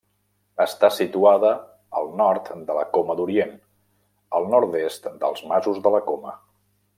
Està situada al nord de la Coma d'Orient, al nord-est dels Masos de la Coma.